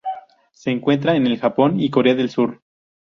Se encuentra en el Japón y Corea del Sur.